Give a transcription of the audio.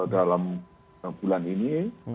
dalam bulan ini